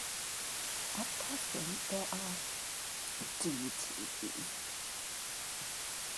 At present there are — duties.